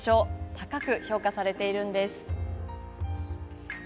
高く評価されています。